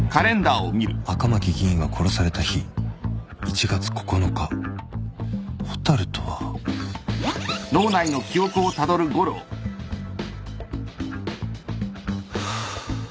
赤巻議員が殺された日１月９日蛍とはハァ。